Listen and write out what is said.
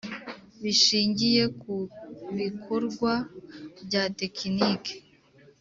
bishingiye ku bikorwa bya tekinike